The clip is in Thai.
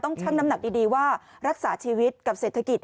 ชั่งน้ำหนักดีว่ารักษาชีวิตกับเศรษฐกิจ